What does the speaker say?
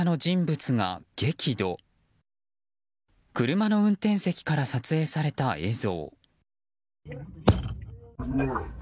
車の運転席から撮影された映像。